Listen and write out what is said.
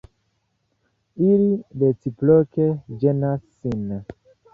Ili reciproke ĝenas sin.